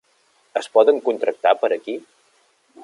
Es poden contractar per aquí?